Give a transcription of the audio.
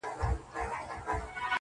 اوس به څوك تسليموي اصفهانونه-